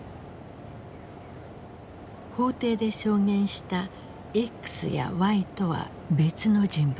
法廷で証言したＸやＹとは別の人物。